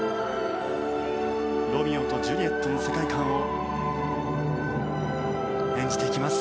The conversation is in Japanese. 「ロミオとジュリエット」の世界観を演じていきます。